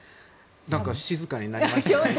なんか静かになりましたね。